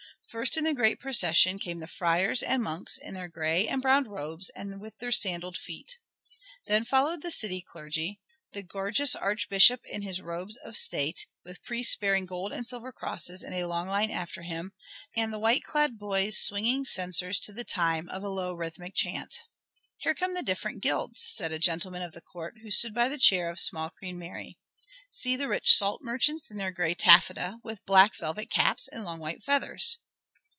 First in the great procession came the friars and monks in their gray and brown robes and with their sandaled feet. Then followed the city clergy, the gorgeous Archbishop in his robes of state, with priests bearing gold and silver crosses in a long line after him, and white clad boys swinging censers to the time of a low rhythmic chant. "Here come the different guilds," said a gentleman of the court, who stood by the chair of small Queen Mary. "See the rich salt merchants in their gray taffeta, with black velvet caps and long white feathers."